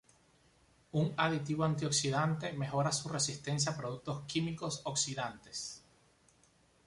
Un aditivo antioxidante mejora su resistencia a productos químicos oxidantes.